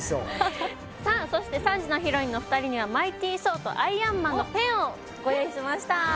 さあそして３時のヒロインのお二人にはマイティ・ソーとアイアンマンのペンをご用意しました